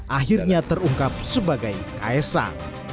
akhirnya terungkap sebagai kaisang